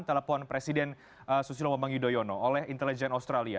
telepon presiden susilo mbang yudhoyono oleh intelligent australia